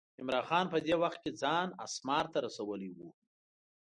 عمرا خان په دې وخت کې ځان اسمار ته رسولی و.